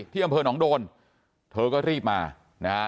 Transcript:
ที่อำเภอหนองโดนเธอก็รีบมานะฮะ